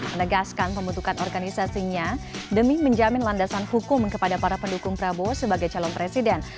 menegaskan pembentukan organisasinya demi menjamin landasan hukum kepada para pendukung prabowo sebagai calon presiden